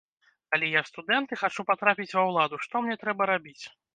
Калі я студэнт і хачу патрапіць ва ўладу, што мне трэба рабіць?